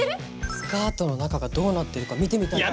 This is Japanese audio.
スカートの中がどうなってるか見てみたいとか。